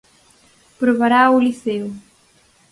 Probarao o Liceo.